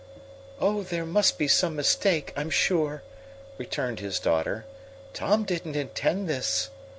"Oh, there must be some mistake, I'm sure," returned his daughter. "Tom didn't intend this."